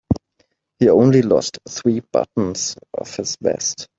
He only lost three buttons off his vest.